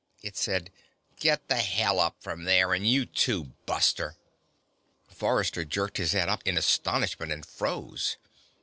it said. "Get the hell up from there! And you too, buster!" Forrester jerked his head up in astonishment and froze.